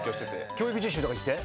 教育実習とか行って？